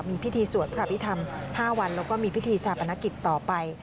มีพิธีสวดพระพิธรรม๕วันแล้วก็มีพิธีชาปนกิจต่อไป